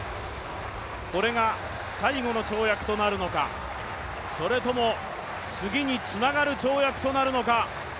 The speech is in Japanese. これが最後の跳躍となるのか、それとも次につながる跳躍となるのか。